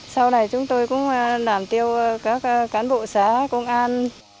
sau này chúng tôi cũng làm tiêu các cán bộ xã công an